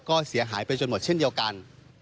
ก็เสียหายไปจนหมดเช่นเดียวกัน